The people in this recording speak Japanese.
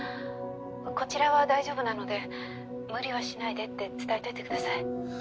こちらは大丈夫なので無理はしないでって伝えといてください。